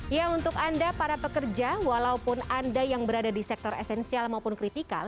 ya untuk anda para pekerja walaupun anda yang berada di sektor esensial maupun kritikal